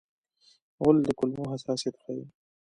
غول د کولمو حساسیت ښيي.